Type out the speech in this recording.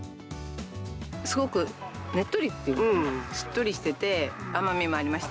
すごくねっとりっていうのかな、しっとりしてて、甘みもありました。